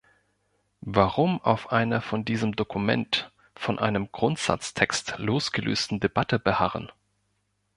Warum auf einer von diesem Dokument, von einem Grundsatztext losgelösten Debatte beharren?